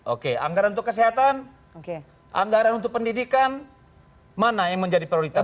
oke anggaran untuk kesehatan anggaran untuk pendidikan mana yang menjadi prioritas